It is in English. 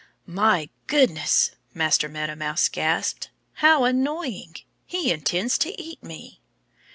"My goodness!" Master Meadow Mouse gasped. "How annoying! He intends to eat me!"